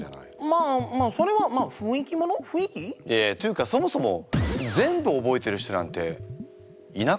まあまあそれはまあいやいやっていうかそもそも全部覚えてる人なんていなくないですか？